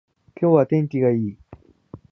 今日は天気がいい